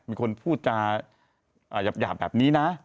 มีคนพูดจาหยาบแบบนี้นะ